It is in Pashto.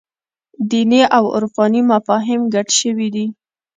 دیني او عرفاني مفاهیم ګډ شوي دي.